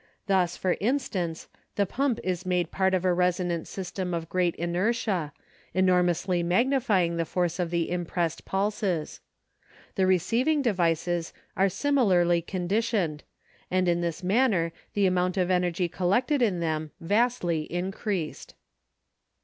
Thus, for instance, the pump is made part of a resonant system of great inertia, enormously magnifying the force of the imprest impulses. The receiving devices are similarly conditioned and in this man ner the amount of energy collected in them vastly increased.